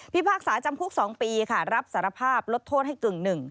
พิพากษาจำคุก๒ปีรับสารภาพลดโทษให้๑ปี